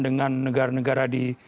dengan negara negara di